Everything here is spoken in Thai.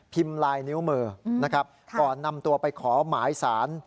ลายนิ้วมือนะครับก่อนนำตัวไปขอหมายสาร